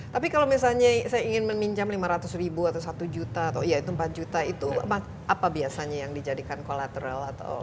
tapi kalau misalnya saya ingin meminjam lima ratus ribu atau satu juta atau ya itu empat juta itu apa biasanya yang dijadikan kolateral atau